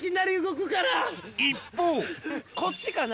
一方こっちかな？